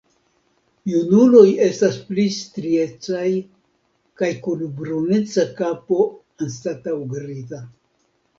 Junuloj estas pli striecaj kaj kun bruneca kapo anstataŭ griza.